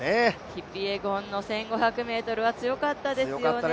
キピエゴンの１５００ｍは強かったですよね。